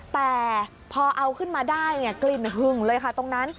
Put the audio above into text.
แต่พอเอาขึ้นมาได้กลิ่นหึงเลยค่ะตรงนั้น